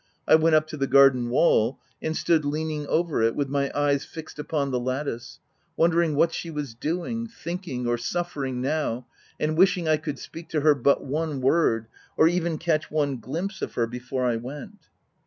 I went up to the garden wall, and stood leaning over it, with my eyes fixed upon the lattice, wondering what 216 THE TENANT she was doing, thinking, or suffering now, and wishing I could speak to her but one word, or even catch one glimpse of her, before I went.